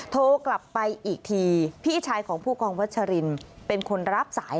โทรกลับไปอีกทีพี่ชายของผู้กองวัชรินเป็นคนรับสาย